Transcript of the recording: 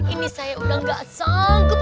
ini saya udah gak sanggup